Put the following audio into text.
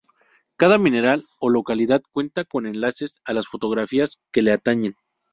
Cada mineral o localidad cuenta con enlaces a las fotografías que le atañen.